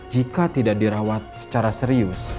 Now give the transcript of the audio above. jika tidak dirawat secara serius